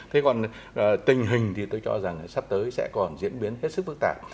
thế còn tình hình thì tôi cho rằng sắp tới sẽ còn diễn biến hết sức phức tạp